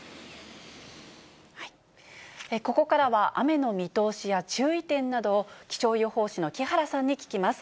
ここからは、雨の見通しや注意点などを、気象予報士の木原さんに聞きます。